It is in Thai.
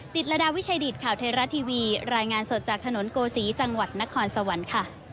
ติดระดาษวิชาดิตข่าวเทราะห์ทีวีรายงานสดจากถนนโกศีจังหวัดนครสวรรค์